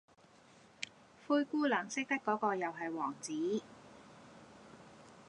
灰姑娘識得果個又系王子